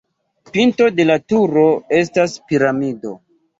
Pinto de la turo estas piramido.